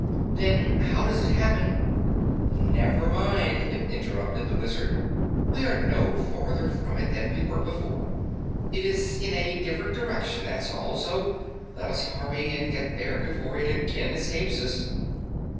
"Then how does it happen " "Never mind," interrupted the Wizard, "we are no farther from it than we were before. It is in a different direction, that's all, so let us hurry and get there before it again escapes us."